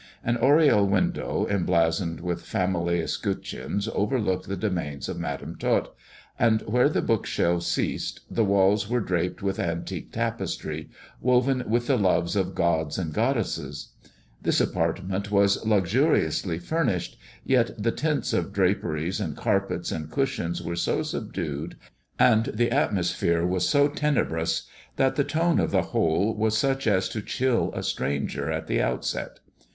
An oriel window, emblazoned with family escut cheons, overlooked the domain of Madam Tot ; and where the bookshelves ceased, the walls were draped with antique tapestry, woven with the loves of gods and goddesses. This apartment was luxuriously furnished, yet the tints of draperies and carpets and cushions were so subdued, and the atmosphere was so tenebrous, that the tone of the whole was such as to chill a stranger at the outset.